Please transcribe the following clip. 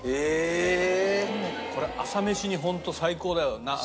これ朝飯にホント最高だよ。